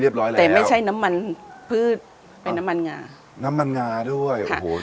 ร้อยแล้วแต่ไม่ใช่น้ำมันพืชเป็นน้ำมันงาน้ำมันงาด้วยโอ้โห